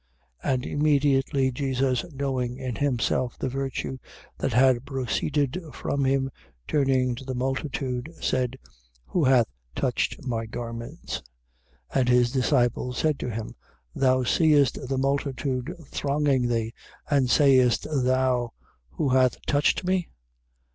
5:30. And immediately Jesus knowing in himself the virtue that had proceeded from him, turning to the multitude, said: Who hath touched my garments? 5:31. And his disciples said to him: Thou seest the multitude thronging thee, and sayest thou who hath touched me?